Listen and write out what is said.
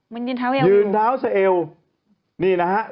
มันยืนเท้าเอวยืนเท้าจะเอว